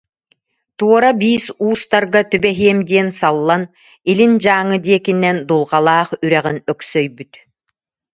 Туора биис уустарга түбэһиэм диэн саллан, илин Дьааҥы диэкинэн Дулҕалаах үрэҕин өксөйбүт